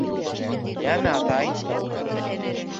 Йәме, атай...